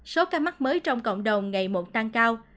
số ca mắc mới trong cộng đồng ngày một tăng cao